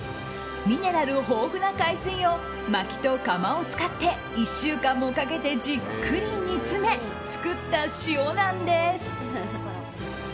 ミネラル豊富な海水をまきと釜を使って１週間もかけてじっくり煮詰め作った塩なんです。